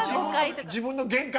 自分の限界？